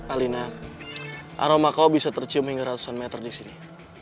alina aroma kau bisa tercium hingga ratusan meter disini